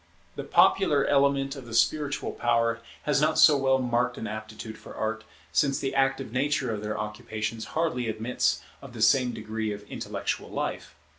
[People's poetry] The popular element of the spiritual power has not so well marked an aptitude for art, since the active nature of their occupations hardly admits of the same degree of intellectual life.